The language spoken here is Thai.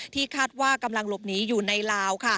คาดว่ากำลังหลบหนีอยู่ในลาว